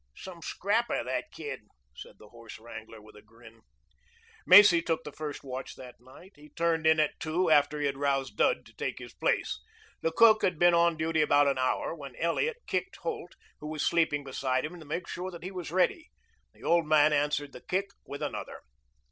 "Some scrapper that kid," said the horse wrangler with a grin. Macy took the first watch that night. He turned in at two after he had roused Dud to take his place. The cook had been on duty about an hour when Elliot kicked Holt, who was sleeping beside him, to make sure that he was ready. The old man answered the kick with another.